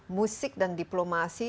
musik dan diplomasi